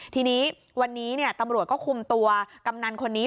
ทีนี้วันนี้ตำรวจก็คุมตัวกำนันคนนี้